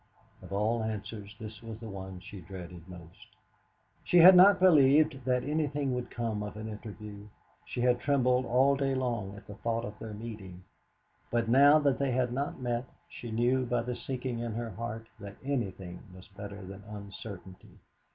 Of all answers this was the one she dreaded most. She had not believed that anything would come of an interview; she had trembled all day long at the thought of their meeting; but now that they had not met she knew by the sinking in her heart that anything was better than uncertainty.